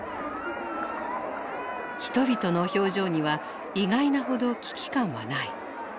人々の表情には意外なほど危機感はない。